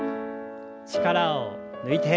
力を抜いて。